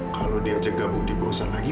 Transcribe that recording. kalau diajak gabung di perusahaan lagi